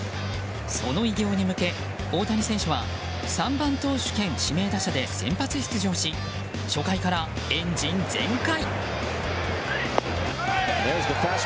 その偉業に向け大谷選手は３番投手兼指名打者で先発出場し初回からエンジン全開。